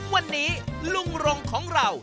วันนี้ลุงรงของเรา